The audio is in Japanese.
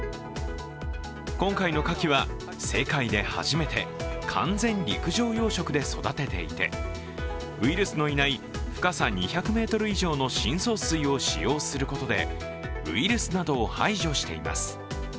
今回のかきは世界で初めて完全陸上養殖で育てていてウイルスのいない深さ２００ｍ以上の深層水を使用することでウイルスなどを排除しています。